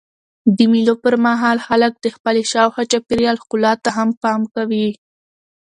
د مېلو پر مهال خلک د خپلي شاوخوا چاپېریال ښکلا ته هم پام کوي.